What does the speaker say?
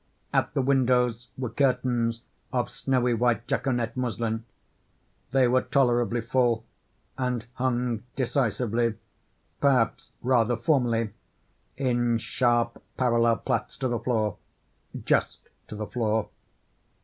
At the windows were curtains of snowy white jaconet muslin: they were tolerably full, and hung decisively, perhaps rather formally in sharp, parallel plaits to the floor—just to the floor.